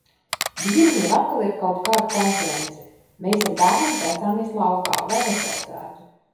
Vīram jau atkal ir kaut kāda konference, mēs ar bērniem taisāmies laukā, lai netraucētu.